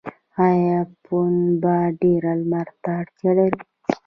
آیا پنبه ډیر لمر ته اړتیا لري؟